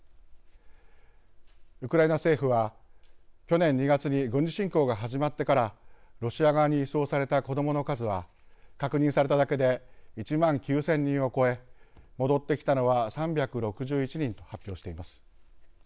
ウクライナ政府は去年２月に軍事侵攻が始まってからロシア側に移送された子どもの数は確認されただけで１万９，０００人を超え戻ってきたのは３６１人と発表しています。